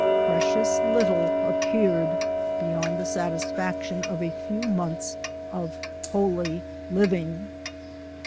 Precious little appeared beyond the satisfaction of a few months of holy living.